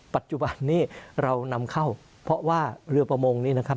ปัจจุบันนี้เรานำเข้าเพราะว่าเรือประมงนี้นะครับ